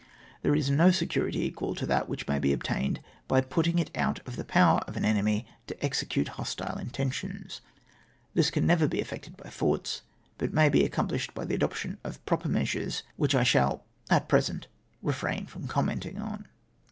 There is no security ecjual to that which may be obtamed by putting it out of the power of an enemy to execute hostile intentions. This can never be effected by forts, but may be accomphshed by the adoption of proper measures, which I shall at present refram from com menting on.